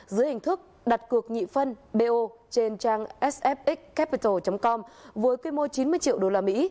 dưới hình thức đặt cược nhị phân bo trên trang sfxcapital com với quy mô chín mươi triệu usd